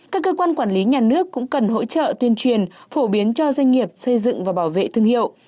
các cơ quan quản lý nhà nước cũng cần hỗ trợ tuyên truyền phổ biến cho doanh nghiệp xây dựng và bảo vệ thương hiệu